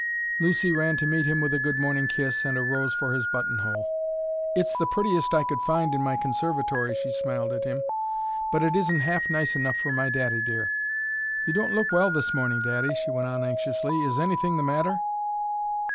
Lucy ran to meet him with a good morning kiss and a rose for his buttonhole. "It's the prettiest I could find in my conservatory," she smiled at him; "but it isn't half nice enough for my daddy dear. You don't look well this morning, daddy," she went on anxiously. "Is anything the matter?"